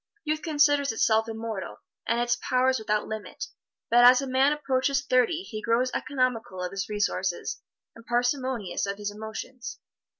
Youth considers itself immortal, and its powers without limit, but as a man approaches thirty he grows economical of his resources and parsimonious of his emotions.